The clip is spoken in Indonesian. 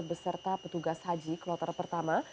beserta petugas haji kloter pertama